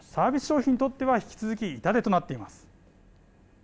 消費にとっては引き続き、痛手となっています。